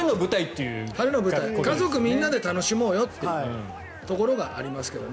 家族みんなで楽しもうよというところがありますけどね。